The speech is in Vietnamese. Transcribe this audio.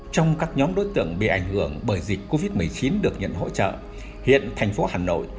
trong các nhóm đối tượng bị ảnh hưởng bởi dịch covid một mươi chín được nhận hỗ trợ hiện thành phố hà nội